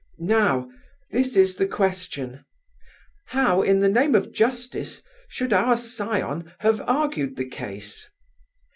Now this is the question: how, in the name of justice, should our scion have argued the case?